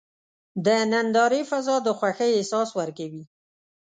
د نندارې فضا د خوښۍ احساس ورکوي.